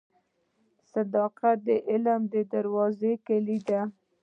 • صداقت د علم د دروازې کلید دی.